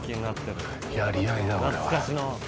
やり合いだよ、これは。